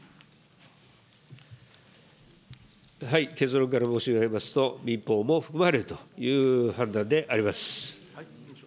結論から申し上げますと、民法も含まれるという判断であります。